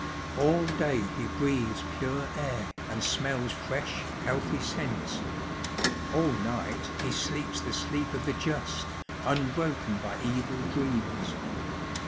All day he breathes pure air, and smells fresh, healthy scents ; all night he sleeps the sleep of the just, unbroken by evil dreams.